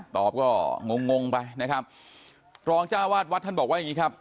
ตอบก็งงงงไปนะครับรองจ้าวาดวัดท่านบอกว่าอย่างงี้ครับ